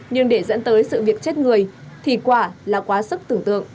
nhưng để dẫn tới sự việc chết người thì quả là quá sức tưởng tượng